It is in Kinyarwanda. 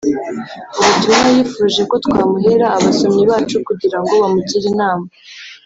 Mu butumwa yifuje ko twamuhera abasomyi bacu kugira ngo bamugire inama